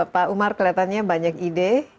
pak umar kelihatannya banyak ide